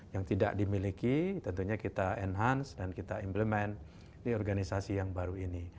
yang tidak dimiliki tentunya kita enhance dan kita implemen di organisasi yang baru ini